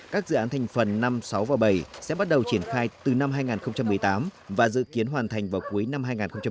các dự án thành phần năm sáu và bảy sẽ bắt đầu triển khai từ năm hai nghìn một mươi tám và dự kiến hoàn thành vào cuối năm hai nghìn hai mươi